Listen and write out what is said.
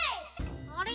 あれ？